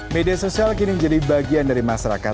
media sosial kini menjadi bagian dari masyarakat